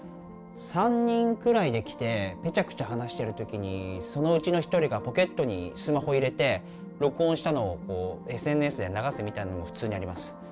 ３人くらいで来てぺちゃくちゃ話してる時にそのうちのひとりがポケットにスマホ入れて録音したのをＳＮＳで流すみたいなのも普通にあります。